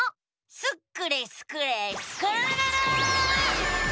スクれスクれスクるるる！